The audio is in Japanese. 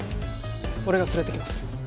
俺が連れていきます。